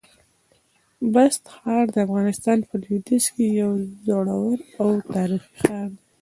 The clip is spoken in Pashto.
بست ښار د افغانستان په لودیځ کي یو زوړ او تاریخي ښار دی.